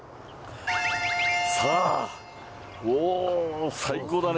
さあ、おお、最高だね。